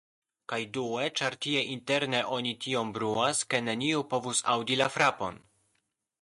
Kaj due, ĉar tie interne oni tiom bruas ke neniu povus aŭdi la frapon.